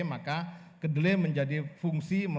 maka kedelai menjadi fungsi